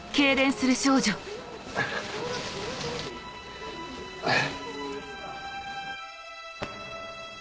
あっあぁ